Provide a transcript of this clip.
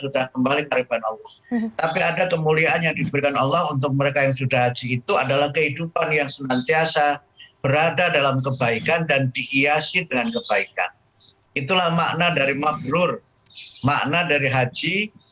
dari pusat kesehatan haji